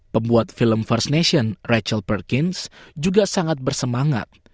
pembuat film first nation rachel perkins juga sangat bersemangat